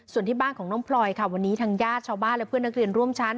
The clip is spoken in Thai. ส่วนที่บ้านของน้องพลอยค่ะวันนี้ทางญาติชาวบ้านและเพื่อนนักเรียนร่วมชั้น